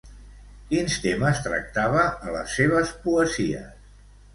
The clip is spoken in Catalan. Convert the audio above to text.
Quins temes tractava a les seves poesies?